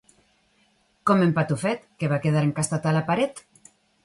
Com en Patufet, que va quedar encastat a la paret.